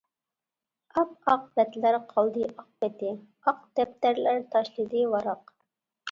ئاپئاق بەتلەر قالدى ئاق پېتى، ئاق دەپتەرلەر تاشلىدى ۋاراق.